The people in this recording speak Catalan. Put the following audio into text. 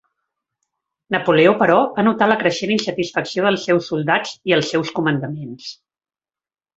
Napoleó, però, va notar la creixent insatisfacció dels seus soldats i els seus comandaments.